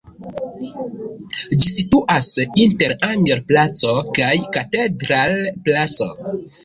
Ĝi situas inter Anger-placo kaj Katedral-placo.